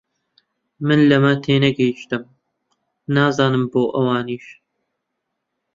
من لەمە تێنەگەیشتم، نازانم بۆ ئەوانیش